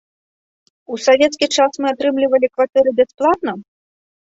У савецкі час мы атрымлівалі кватэры бясплатна.